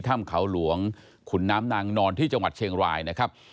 ถ้ำเขาหลวงขุนน้ำนางนอนที่จังหวัดเชียงรายนะครับ